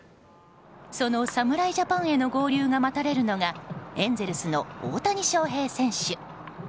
その侍ジャパンへの合流が待たれるのがエンゼルスの大谷翔平選手。